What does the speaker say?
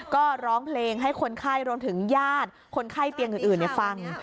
ก็ร้องเพลงให้คนไข้รวมถึงญาติคนไข้เตียงอื่นฟัง